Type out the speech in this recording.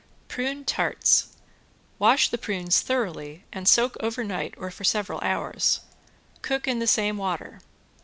~PRUNE TARTS~ Wash the prunes thoroughly and soak over night or for several hours. Cook in the same water.